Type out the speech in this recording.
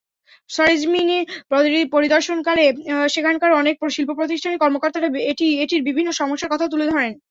সরেজমিন পরিদর্শনকালে সেখানকার অনেক শিল্পপ্রতিষ্ঠানের কর্মকর্তারা এটির বিভিন্ন সমস্যার কথা তুলে ধরেন।